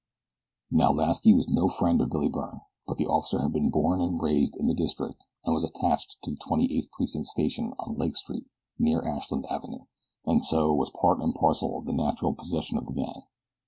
Now Lasky was no friend of Billy Byrne; but the officer had been born and raised in the district and was attached to the Twenty eighth Precinct Station on Lake Street near Ashland Avenue, and so was part and parcel of the natural possession of the gang.